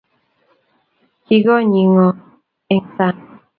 Kigonyii ngo eng saang?